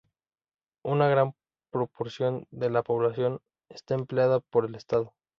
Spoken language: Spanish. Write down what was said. Una gran proporción de la población está empleada por el estado.